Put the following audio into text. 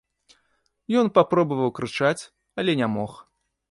Ён папробаваў крычаць, але не мог.